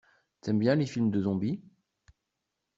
T'aimes bien les films de zombies?